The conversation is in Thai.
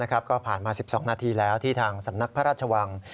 ก็ผ่านมา๑๒นาทีแล้วที่ทางสำนักพระราชวัง